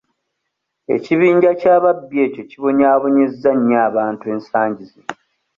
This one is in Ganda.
Ekibinja ky'ababbi ekyo kibonyaabonyezza nnyo abantu ensangi zino.